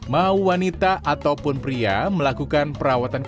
mau wanita ataupun pria melakukan perawatannya